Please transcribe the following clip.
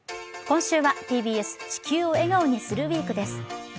今週はＴＢＳ、「地球を笑顔にするＷＥＥＫ」です。